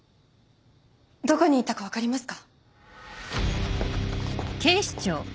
どこに行ったか分かりますか？